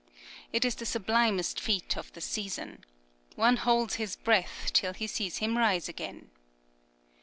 It is the sublimest feat of the season. One holds his breath till he sees him rise again.